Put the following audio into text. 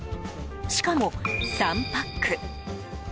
しかも３パック。